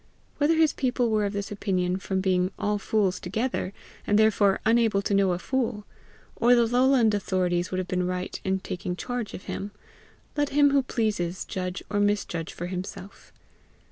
Whether his people were of this opinion from being all fools together, and therefore unable to know a fool, or the lowland authorities would have been right in taking charge of him, let him who pleases judge or misjudge for himself.